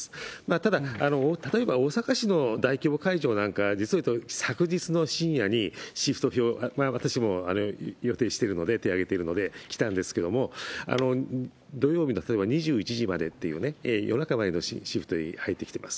ただ、例えば大阪市の大規模会場なんか、実をいうと昨日の深夜にシフト表、私も予定しているので、手を挙げてるので来たんですけれども、土曜日の例えば２１時までっていう、夜中までのシフトに入ってきてます。